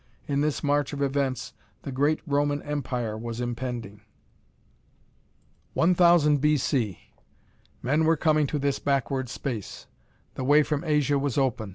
In this march of events, the great Roman Empire was impending. 1,000 B. C. Men were coming to this backward space. The way from Asia was open.